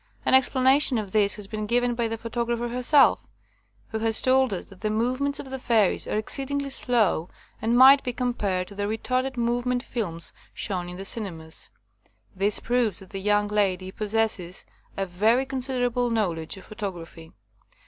An explanation of this has been given by the photographer 79 THE COMING OF THE FAIRIES herself, who has told us that the movements of the fairies are exceedingly slow and might be compared to the retarded move ment films shown in the cinemas. This proves that the young lady i^ossesses a very considerable knowledge of photography.